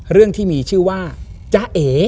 เรื่องที่มีชื่อว่าจ๊ะเอ๋